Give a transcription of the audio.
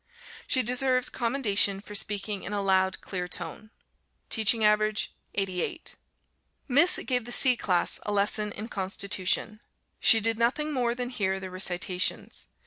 She deserves commendation for speaking in a loud, clear tone. Teaching average, 88. Miss gave the C class a lesson in Constitution. She did nothing more than hear the recitations.